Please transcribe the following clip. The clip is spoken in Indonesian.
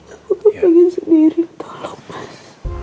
aku kepengen sendiri tolong mas